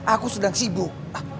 aku sedang sibuk